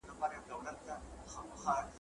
د غوایانو په ښکرونو یې وهلي ,